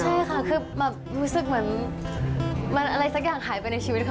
ใช่ค่ะคือแบบรู้สึกเหมือนมันอะไรสักอย่างหายไปในชีวิตค่ะ